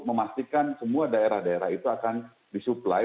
memastikan semua daerah daerah itu akan disuplai